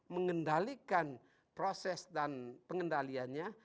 mengendalikan proses dan pengendaliannya